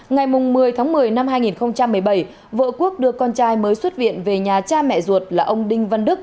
ngày một mươi tháng một mươi năm hai nghìn một mươi bảy vợ quốc đưa con trai mới xuất viện về nhà cha mẹ ruột là ông đinh văn đức